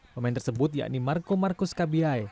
pemain tersebut yakni marco marcus kabiayai